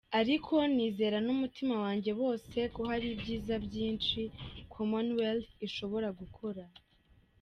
Ariko nizera n’umutima wanjye wose ko hari ibyiza byinshi Commonwealth ishobora gukora.”